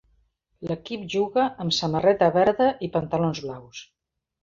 L'equip juga amb samarreta verda i pantalons blaus.